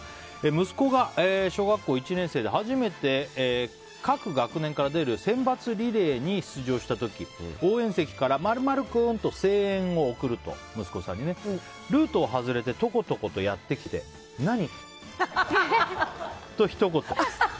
息子が小学１年生で初めて各学年から出る選抜リレーに出場した時応援席から○○君！と声援を送るとルートを外れてトコトコとやってきて何？と、ひと言。